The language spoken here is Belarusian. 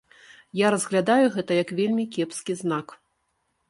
Я разглядаю гэта як вельмі кепскі знак.